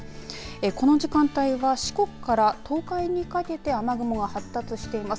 この時間帯は四国から東海にかけて雨雲が発達しています。